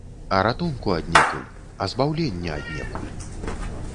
А ратунку аднекуль, а збаўлення аднекуль.